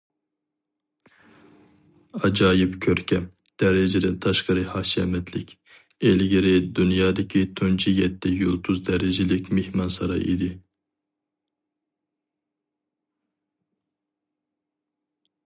ئاجايىپ كۆركەم، دەرىجىدىن تاشقىرى ھەشەمەتلىك، ئىلگىرى دۇنيادىكى تۇنجى يەتتە يۇلتۇز دەرىجىلىك مېھمانساراي ئىدى.